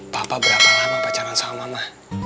papa berapa lama pacaran sama mama